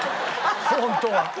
ホントは。